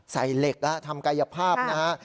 ใส่เหล็กนะฮะทำกายภาพนะฮะ